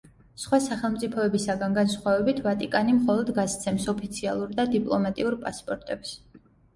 სხვა სახელმწიფოებისაგან განსხვავებით, ვატიკანი მხოლოდ გასცემს ოფიციალურ და დიპლომატიურ პასპორტებს.